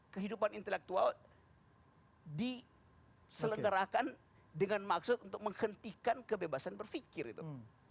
kehidupan intelektual diselenggarakan dengan maksud untuk menghentikan kebebasan berpikir gitu